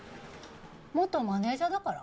元マネージャーだから？